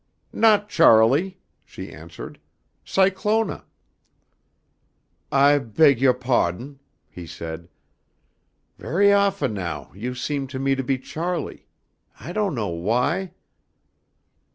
"Not Charlie," she answered. "Cyclona." "I beg yoah pahdon," he said. "Ve'y often now you seem to me to be Charlie. I don't know why."